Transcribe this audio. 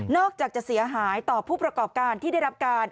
อกจากจะเสียหายต่อผู้ประกอบการที่ได้รับการ